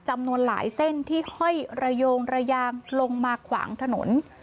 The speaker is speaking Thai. จำนวนหลายเส้นที่ห้อยระโยงระยางลงมาขวางถนน